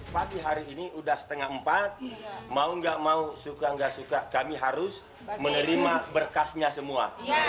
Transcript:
pagi hari ini sudah setengah empat mau nggak mau suka nggak suka kami harus menerima berkasnya semua